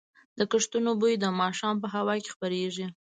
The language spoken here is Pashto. د کښتونو بوی د ماښام په هوا کې خپرېږي.